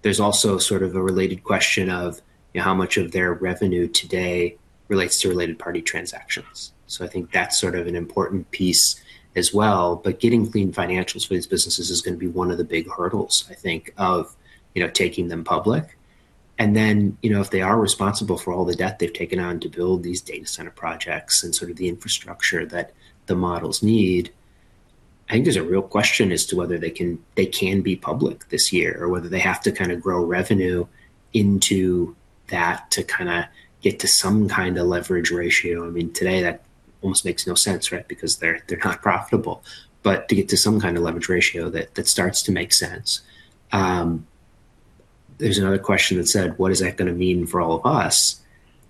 There's also sort of a related question of how much of their revenue today relates to related party transactions. I think that's sort of an important piece as well. Getting clean financials for these businesses is gonna be one of the big hurdles, I think, of, you know, taking them public. You know, if they are responsible for all the debt they've taken on to build these data center projects and sort of the infrastructure that the models need, I think there's a real question as to whether they can be public this year or whether they have to kinda grow revenue into that to kinda get to some kinda leverage ratio. I mean, today that almost makes no sense, right? Because they're not profitable. To get to some kind of leverage ratio, that starts to make sense. There's another question that said, "What is that gonna mean for all of us?"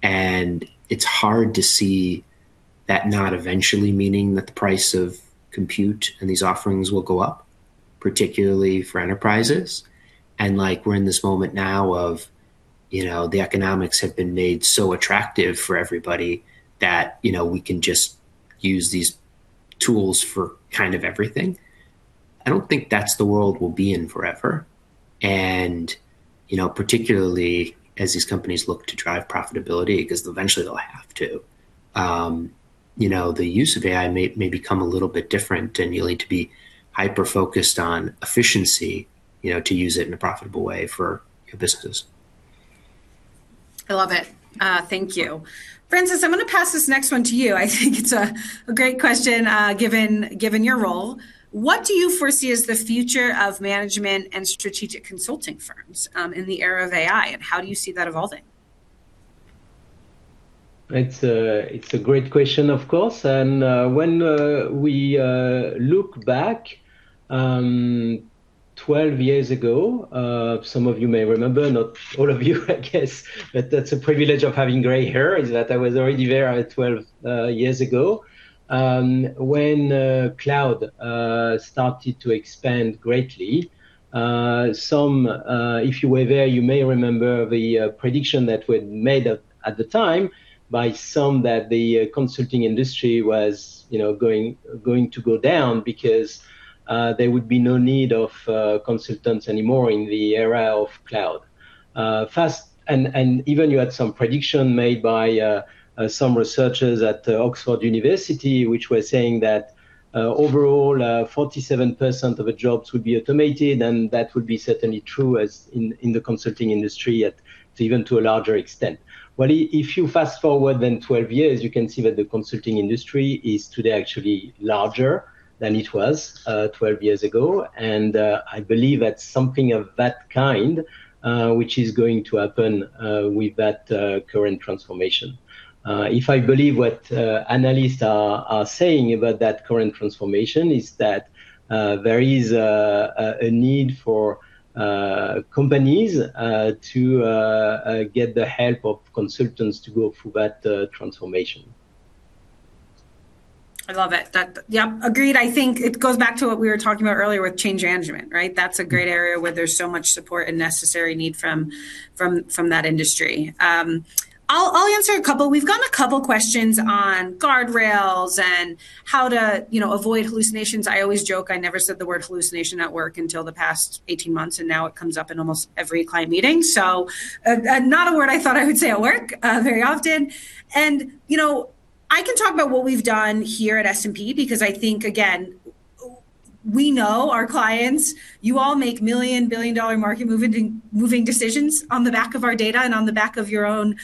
It's hard to see that not eventually meaning that the price of compute and these offerings will go up, particularly for enterprises. Like, we're in this moment now of, you know, the economics have been made so attractive for everybody that, you know, we can just use these tools for kind of everything. I don't think that's the world we'll be in forever. You know, particularly as these companies look to drive profitability, 'cause eventually they'll have to, you know, the use of AI may become a little bit different, and you'll need to be hyper-focused on efficiency, you know, to use it in a profitable way for your business. I love it. Thank you. Francis, I'm gonna pass this next one to you. I think it's a great question, given your role. What do you foresee as the future of management and strategic consulting firms, in the era of AI, and how do you see that evolving? It's a great question, of course. When we look back 12 years ago, some of you may remember, not all of you I guess, but that's a privilege of having gray hair is that I was already there 12 years ago, when cloud started to expand greatly. If you were there, you may remember the prediction that were made up at the time by some that the consulting industry was, you know, going to go down because there would be no need of consultants anymore in the era of cloud. Fast. Even you had some prediction made by some researchers at Oxford University, which were saying that overall 47% of the jobs would be automated, and that would be certainly true as in the consulting industry at even to a larger extent. Well, if you fast-forward 12 years, you can see that the consulting industry is today actually larger than it was 12 years ago, and I believe that something of that kind which is going to happen with that current transformation. If I believe what analysts are saying about that current transformation is that there is a need for companies to get the help of consultants to go through that transformation. I love it. Yeah, agreed. I think it goes back to what we were talking about earlier with change management, right? That's a great area where there's so much support and necessary need from that industry. I'll answer a couple. We've gotten a couple questions on guardrails and how to, you know, avoid hallucinations. I always joke I never said the word hallucination at work until the past 18 months, and now it comes up in almost every client meeting, so not a word I thought I would say at work very often. You know, I can talk about what we've done here at S&P, because I think, again, we know our clients. You all make million, billion-dollar market moving decisions on the back of our data and on the back of your own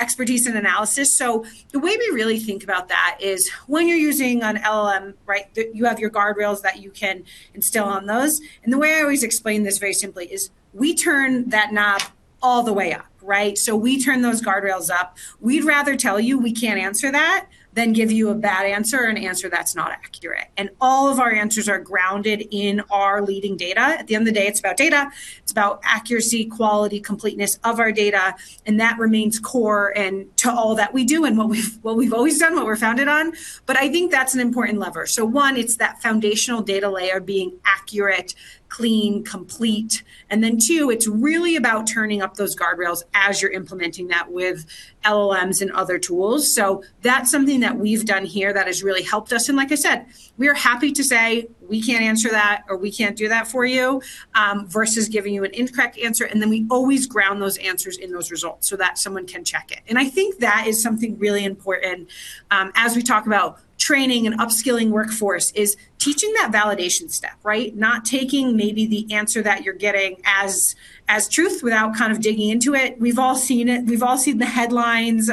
expertise and analysis. The way we really think about that is when you're using an LLM, right? You have your guardrails that you can instill on those, and the way I always explain this very simply is we turn that knob all the way up, right? We turn those guardrails up. We'd rather tell you we can't answer that than give you a bad answer or an answer that's not accurate. All of our answers are grounded in our leading data. At the end of the day, it's about data. It's about accuracy, quality, completeness of our data, and that remains core and to all that we do and what we've always done, what we're founded on. I think that's an important lever. One, it's that foundational data layer being accurate, clean, complete. Two, it's really about turning up those guardrails as you're implementing that with LLMs and other tools. That's something that we've done here that has really helped us. Like I said, we are happy to say, "We can't answer that," or, "We can't do that for you," versus giving you an incorrect answer. We always ground those answers in those results so that someone can check it. I think that is something really important, as we talk about training and upskilling workforce is teaching that validation step, right? Not taking maybe the answer that you're getting as truth without kind of digging into it. We've all seen it. We've all seen the headlines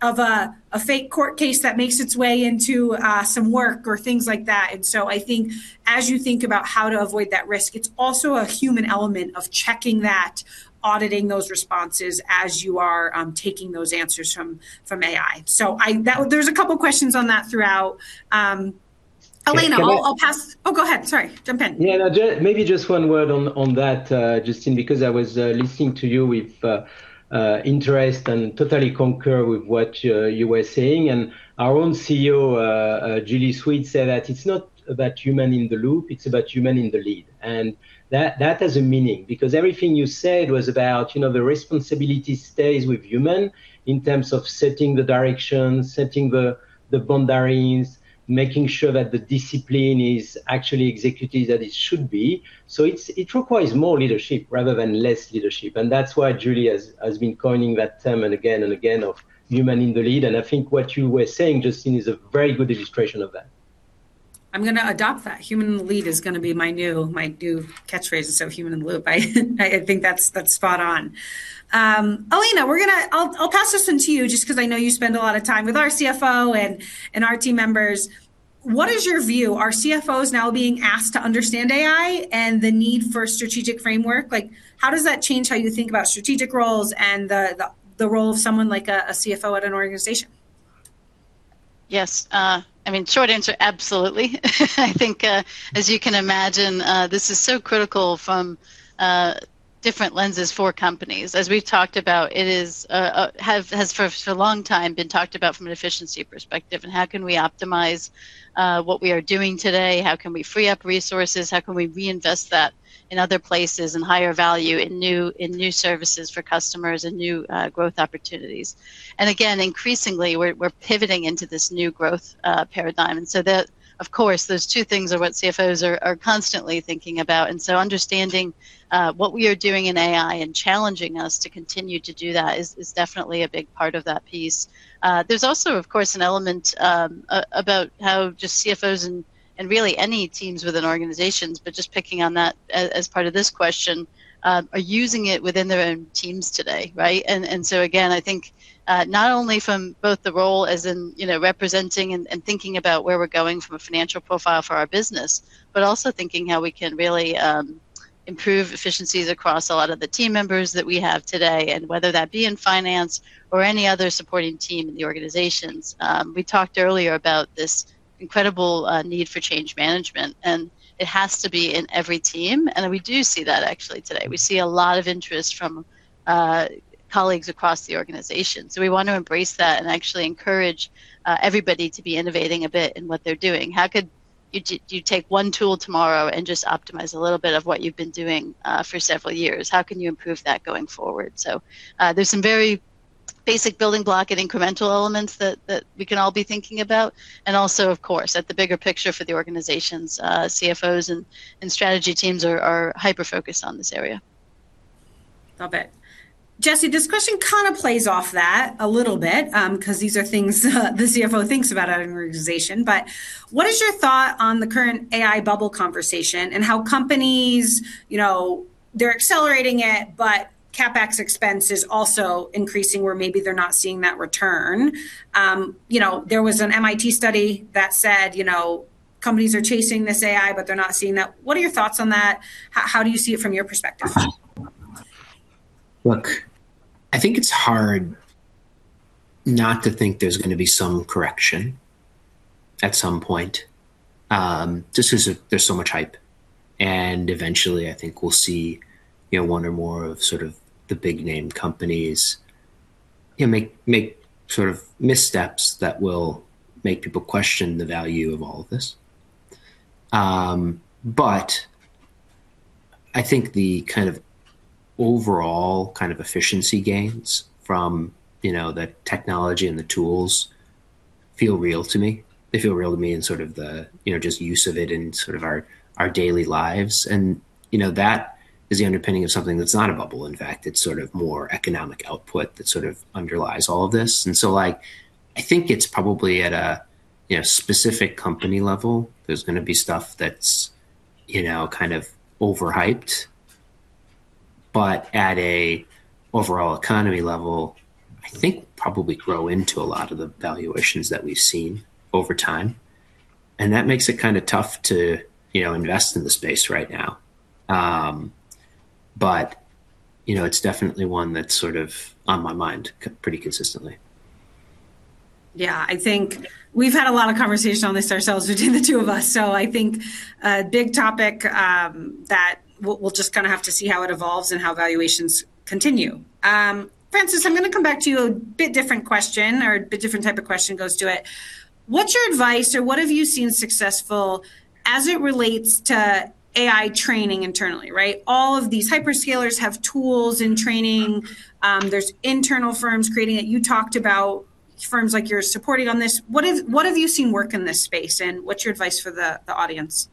of a fake court case that makes its way into some work or things like that. I think as you think about how to avoid that risk, it's also a human element of checking that, auditing those responses as you are taking those answers from AI. There's a couple questions on that throughout. Alaina, I'll pass- Can I- Oh, go ahead. Sorry. Jump in. Yeah, no, maybe just one word on that, Justine, because I was listening to you with interest and totally concur with what you were saying. Our own CEO, Julie Sweet, said that it's not about human in the loop. It's about human in the lead. That has a meaning because everything you said was about, you know, the responsibility stays with human in terms of setting the direction, setting the boundaries, making sure that the discipline is actually executed that it should be. It requires more leadership rather than less leadership, and that's why Julie has been coining that term again and again of human in the lead. I think what you were saying, Justine, is a very good illustration of that. I'm gonna adopt that. Human in the lead is gonna be my new catchphrase instead of human in the loop. I think that's spot on. Alaina, I'll pass this one to you just 'cause I know you spend a lot of time with our CFO and our team members. What is your view? Are CFOs now being asked to understand AI and the need for strategic framework? Like, how does that change how you think about strategic roles and the role of someone like a CFO at an organization? Yes. I mean, short answer, absolutely. I think, as you can imagine, this is so critical from, the Different lenses for companies. As we've talked about, it has for a long time been talked about from an efficiency perspective and how can we optimize what we are doing today, how can we free up resources, how can we reinvest that in other places in higher value, in new services for customers and new growth opportunities. Again, increasingly, we're pivoting into this new growth paradigm. Of course, those two things are what CFOs are constantly thinking about. Understanding what we are doing in AI and challenging us to continue to do that is definitely a big part of that piece. There's also, of course, an element about how just CFOs and really any teams within organizations, but just picking on that as part of this question, are using it within their own teams today, right? I think not only from both the role as in, you know, representing and thinking about where we're going from a financial profile for our business, but also thinking how we can really improve efficiencies across a lot of the team members that we have today, and whether that be in finance or any other supporting team in the organizations. We talked earlier about this incredible need for change management, and it has to be in every team, and we do see that actually today. We see a lot of interest from colleagues across the organization. We want to embrace that and actually encourage everybody to be innovating a bit in what they're doing. How could you take one tool tomorrow and just optimize a little bit of what you've been doing for several years? How can you improve that going forward? There's some very basic building block and incremental elements that we can all be thinking about, and also, of course, at the bigger picture for the organizations, CFOs and strategy teams are hyper-focused on this area. Love it. Jesse, this question kind of plays off that a little bit, because these are things the CFO thinks about at an organization. But what is your thought on the current AI bubble conversation and how companies, you know, they're accelerating it, but CapEx expense is also increasing where maybe they're not seeing that return? You know, there was an MIT study that said, you know, companies are chasing this AI, but they're not seeing that. What are your thoughts on that? How do you see it from your perspective? Look, I think it's hard not to think there's gonna be some correction at some point, just 'cause there's so much hype. Eventually, I think we'll see, you know, one or more of sort of the big name companies, you know, make sort of missteps that will make people question the value of all of this. I think the kind of overall kind of efficiency gains from, you know, the technology and the tools feel real to me. They feel real to me in sort of the, you know, just use of it in sort of our daily lives. You know, that is the underpinning of something that's not a bubble. In fact, it's sort of more economic output that sort of underlies all of this. Like, I think it's probably at a, you know, specific company level, there's gonna be stuff that's, you know, kind of overhyped. At a overall economy level, I think probably grow into a lot of the valuations that we've seen over time, and that makes it kind of tough to, you know, invest in the space right now. You know, it's definitely one that's sort of on my mind pretty consistently. Yeah. I think we've had a lot of conversation on this ourselves between the two of us, so I think a big topic that we'll just kinda have to see how it evolves and how valuations continue. Francis, I'm gonna come back to you, a bit different question or a bit different type of question goes to it. What's your advice or what have you seen successful as it relates to AI training internally, right? All of these hyperscalers have tools and training. There's internal firms creating it. You talked about firms like you're supporting on this. What have you seen work in this space, and what's your advice for the audience?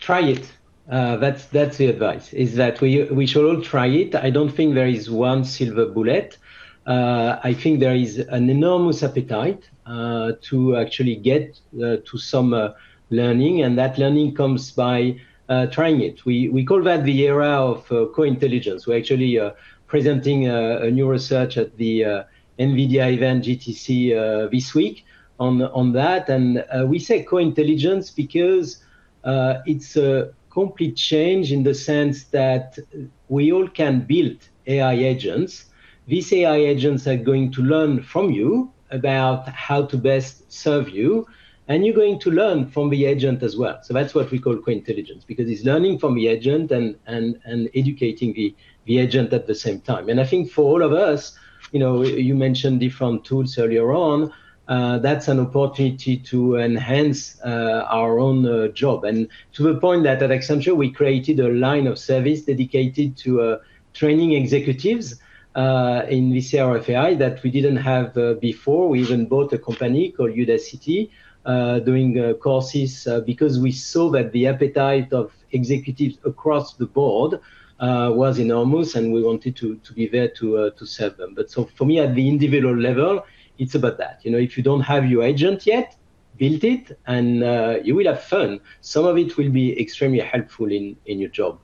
Try it. That's the advice, is that we should all try it. I don't think there is one silver bullet. I think there is an enormous appetite to actually get to some learning, and that learning comes by trying it. We call that the era of co-intelligence. We're actually presenting a new research at the NVIDIA event, GTC, this week on that. We say co-intelligence because it's a complete change in the sense that we all can build AI agents. These AI agents are going to learn from you about how to best serve you, and you're going to learn from the agent as well. That's what we call co-intelligence, because it's learning from the agent and educating the agent at the same time. I think for all of us, you know, you mentioned different tools earlier on, that's an opportunity to enhance our own job. To the point that at Accenture, we created a line of service dedicated to training executives in this era of AI that we didn't have before. We even bought a company called Udacity doing courses, because we saw that the appetite of executives across the board was enormous, and we wanted to be there to serve them. For me, at the individual level, it's about that. You know, if you don't have your agent yet, build it, and you will have fun. Some of it will be extremely helpful in your job.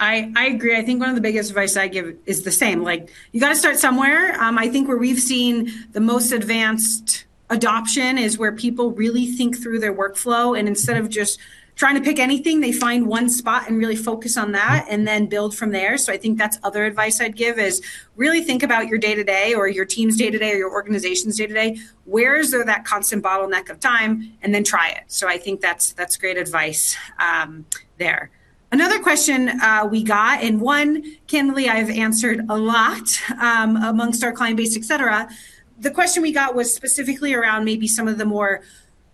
I agree. I think one of the biggest advice I give is the same. Like, you gotta start somewhere. I think where we've seen the most advanced adoption is where people really think through their workflow, and instead of just trying to pick anything, they find one spot and really focus on that and then build from there. I think that's other advice I'd give is really think about your day-to-day or your team's day-to-day or your organization's day-to-day. Where is there that constant bottleneck of time? Then try it. I think that's great advice there. Another question we got, and one candidly I've answered a lot among our client base, et cetera. The question we got was specifically around maybe some of the more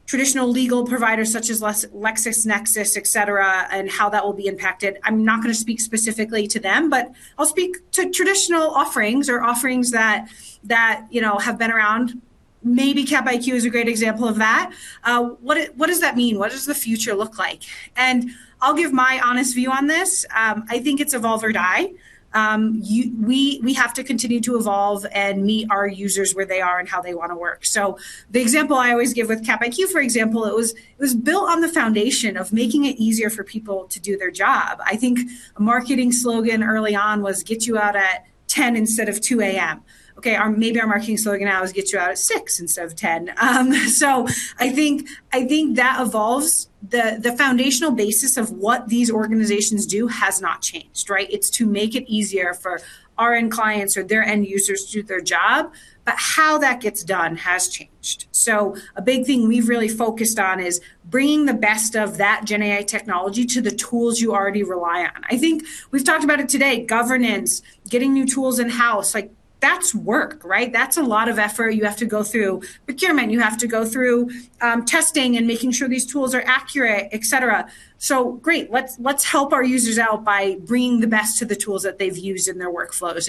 traditional legal providers such as LexisNexis, et cetera, and how that will be impacted. I'm not gonna speak specifically to them, but I'll speak to traditional offerings or offerings that, you know, have been around. Maybe Capital IQ is a great example of that. What does that mean? What does the future look like? I'll give my honest view on this. I think it's evolve or die. We have to continue to evolve and meet our users where they are and how they wanna work. The example I always give with Capital IQ, for example, it was built on the foundation of making it easier for people to do their job. I think a marketing slogan early on was, "Get you out at 10 instead of 2 A.M." Okay, or maybe our marketing slogan now is, "Get you out at 6 instead of 10." I think that evolves. The foundational basis of what these organizations do has not changed, right? It's to make it easier for our end clients or their end users to do their job. How that gets done has changed. A big thing we've really focused on is bringing the best of that GenAI technology to the tools you already rely on. I think we've talked about it today, governance, getting new tools in-house. Like, that's work, right? That's a lot of effort you have to go through. Procurement, you have to go through, testing and making sure these tools are accurate, et cetera. Great, let's help our users out by bringing the best to the tools that they've used in their workflows.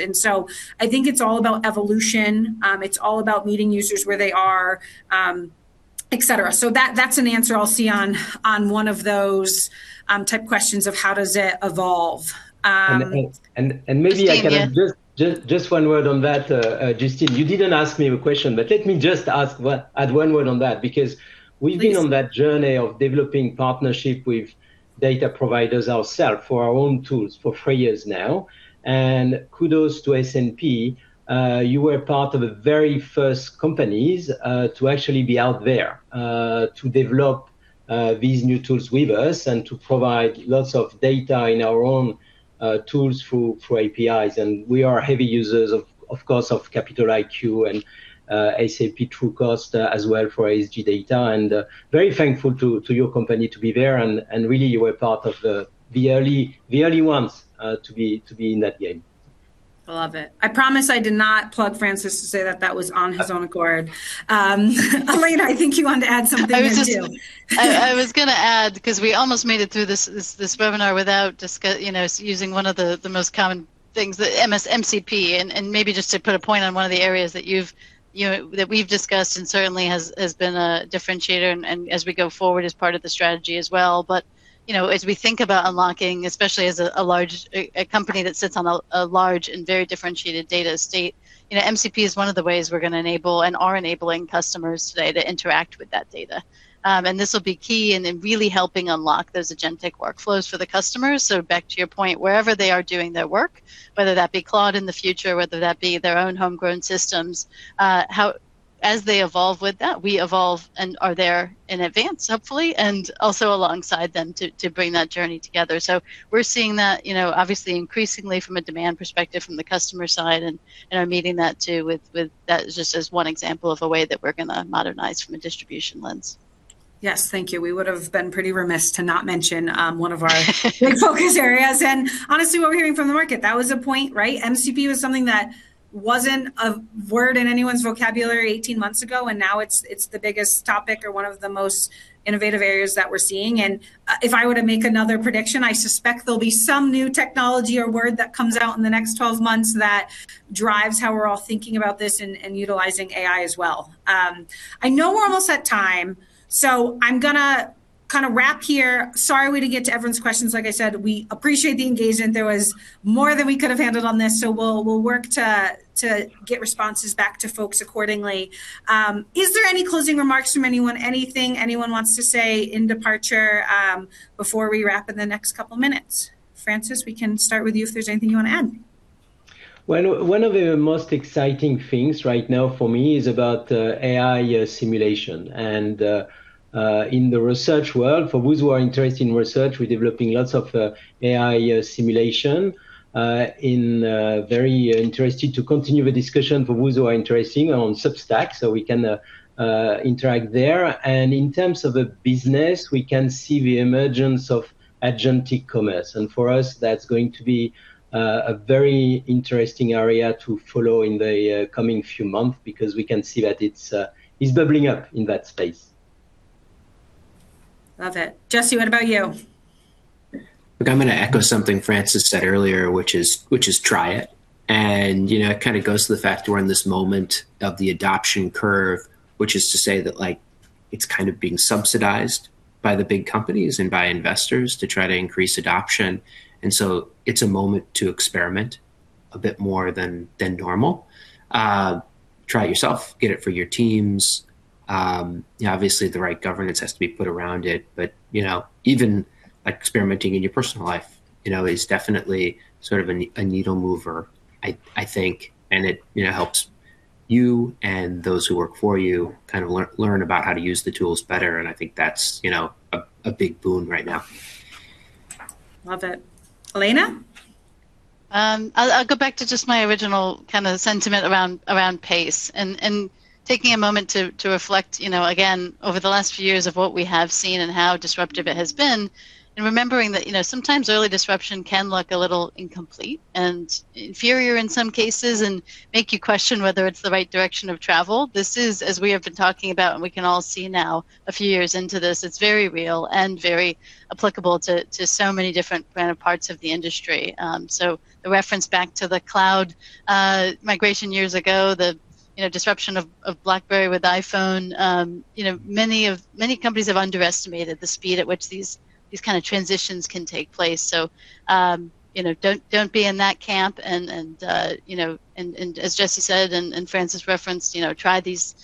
I think it's all about evolution. It's all about meeting users where they are, et cetera. That's an answer I'll see on one of those type questions of how does it evolve. Maybe I can. Justine- Just one word on that, Justine. You didn't ask me a question, but let me just add one word on that because- Please We've been on that journey of developing partnership with data providers ourselves for our own tools for three years now. Kudos to S&P. You were part of the very first companies to actually be out there to develop these new tools with us and to provide lots of data in our own tools through APIs. We are heavy users, of course, of Capital IQ and S&P Trucost as well for ESG data. Very thankful to your company to be there, and really you were part of the early ones to be in that game. Love it. I promise I did not plug Francis to say that was on his own accord. Alaina, I think you wanted to add something there too. I was gonna add, 'cause we almost made it through this webinar without you know, using one of the most common things, the S&P MCP. Maybe just to put a point on one of the areas that you've you know that we've discussed and certainly has been a differentiator and as we go forward as part of the strategy as well. You know, as we think about unlocking, especially as a large company that sits on a large and very differentiated data estate, you know, MCP is one of the ways we're gonna enable and are enabling customers today to interact with that data. This will be key in really helping unlock those agentic workflows for the customers. Back to your point, wherever they are doing their work, whether that be Claude in the future, whether that be their own homegrown systems, as they evolve with that, we evolve and are there in advance, hopefully, and also alongside them to bring that journey together. We're seeing that, you know, obviously increasingly from a demand perspective, from the customer side and are meeting that too with. That is just as one example of a way that we're gonna modernize from a distribution lens. Yes. Thank you. We would've been pretty remiss to not mention one of our big focus areas and honestly what we're hearing from the market. That was a point, right? MCP was something that wasn't a word in anyone's vocabulary 18 months ago, and now it's the biggest topic or one of the most innovative areas that we're seeing. If I were to make another prediction, I suspect there'll be some new technology or word that comes out in the next 12 months that drives how we're all thinking about this and utilizing AI as well. I know we're almost at time, so I'm gonna kinda wrap here. Sorry we didn't get to everyone's questions. Like I said, we appreciate the engagement. There was more than we could have handled on this, so we'll work to get responses back to folks accordingly. Is there any closing remarks from anyone? Anything anyone wants to say in departure before we wrap in the next couple minutes? Francis, we can start with you if there's anything you wanna add. Well, one of the most exciting things right now for me is about AI simulation. In the research world, for those who are interested in research, we're developing lots of AI simulation and very interested to continue the discussion for those who are interested on Substack, so we can interact there. In terms of the business, we can see the emergence of agentic commerce. For us, that's going to be a very interesting area to follow in the coming few months because we can see that it's bubbling up in that space. Love it. Jesse, what about you? Look, I'm gonna echo something Francis said earlier, which is try it. You know, it kinda goes to the fact we're in this moment of the adoption curve, which is to say that, like, it's kind of being subsidized by the big companies and by investors to try to increase adoption. It's a moment to experiment a bit more than normal. Try it yourself. Get it for your teams. You know, obviously the right governance has to be put around it. You know, even, like, experimenting in your personal life, you know, is definitely sort of a needle mover, I think, and it, you know, helps you and those who work for you kind of learn about how to use the tools better, and I think that's, you know, a big boon right now. Love it.? I'll go back to just my original kinda sentiment around pace and taking a moment to reflect, you know, again, over the last few years of what we have seen and how disruptive it has been, and remembering that, you know, sometimes early disruption can look a little incomplete and inferior in some cases, and make you question whether it's the right direction of travel. This is, as we have been talking about and we can all see now a few years into this, it's very real and very applicable to so many different kind of parts of the industry. So the reference back to the cloud migration years ago, the, you know, disruption of BlackBerry with iPhone, you know, many companies have underestimated the speed at which these kind of transitions can take place. You know, don't be in that camp and, you know, as Jesse said and Francis referenced, you know, try these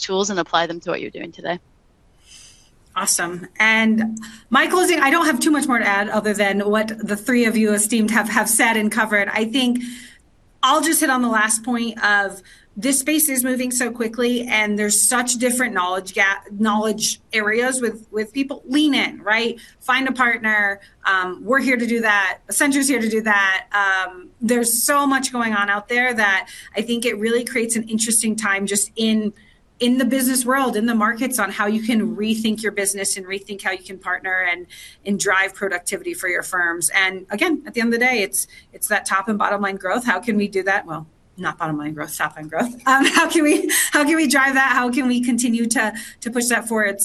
tools and apply them to what you're doing today. Awesome. My closing, I don't have too much more to add other than what the three of you esteemed have said and covered. I think I'll just hit on the last point of this space is moving so quickly, and there's such different knowledge areas with people. Lean in, right? Find a partner. We're here to do that. Accenture's here to do that. There's so much going on out there that I think it really creates an interesting time just in the business world, in the markets, on how you can rethink your business and rethink how you can partner and drive productivity for your firms. Again, at the end of the day, it's that top and bottom line growth. How can we do that? Well, not bottom line growth, top line growth. How can we drive that? How can we continue to push that forward?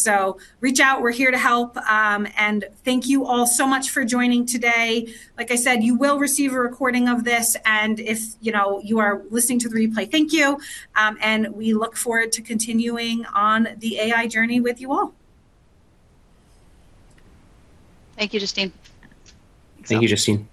Reach out. We're here to help. Thank you all so much for joining today. Like I said, you will receive a recording of this, and if you know you are listening to the replay, thank you. We look forward to continuing on the AI journey with you all. Thank you, Justine. Thanks, all. Thank you, Justine.